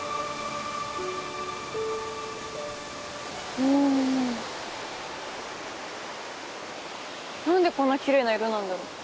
うん何でこんなきれいな色なんだろう？